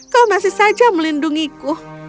kau masih saja melindungiku